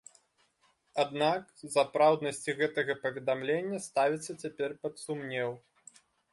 Аднак, сапраўднасць і гэтага паведамлення ставіцца цяпер пад сумнеў.